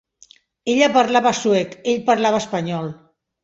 Ella parlava suec, ell parlava espanyol.